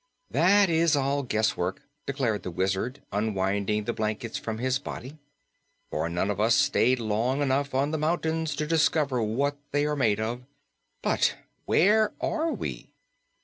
"That is all guesswork," declared the Wizard, unwinding the blankets from his body, "for none of us stayed long enough on the mountains to discover what they are made of. But where are we?"